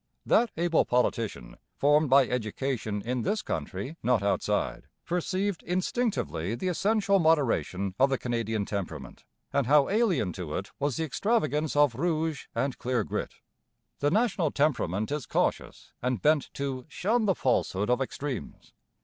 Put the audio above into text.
That able politician, formed by education in this country, not outside, perceived instinctively the essential moderation of the Canadian temperament, and how alien to it was the extravagance of Rouge and Clear Grit. The national temperament is cautious and bent to 'shun the falsehood of extremes.'